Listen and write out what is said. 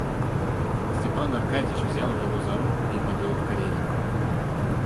Степан Аркадьич взял его за руку и подвел к Каренину.